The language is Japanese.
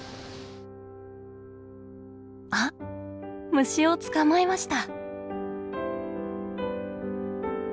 あっ虫を捕まえました！